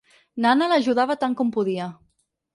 N'Anna l'ajudava tant com podia